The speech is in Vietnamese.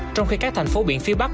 trong khi các thành phố biển phía bắc